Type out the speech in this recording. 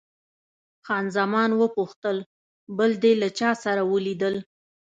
خان زمان وپوښتل، بل دې له چا سره ولیدل؟